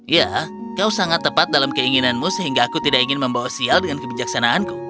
ya kau sangat tepat dalam keinginanmu sehingga aku tidak ingin membawa sial dengan kebijaksanaanku